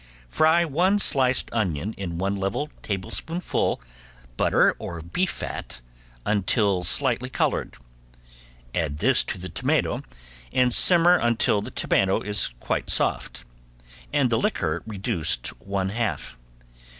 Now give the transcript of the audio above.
Fry one sliced onion in one level tablespoonful butter or beef fat until slightly colored, add this to the tomato, and simmer until the tomato is quite soft, and the liquor reduced one half.